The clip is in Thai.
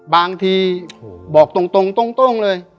บางทีบอกตรงเลย